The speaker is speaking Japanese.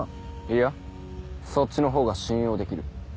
いやそっちのほうが信用できる。